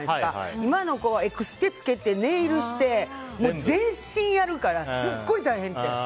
今の子はエクステ着けてネイルして全身やるから、すっごい大変って。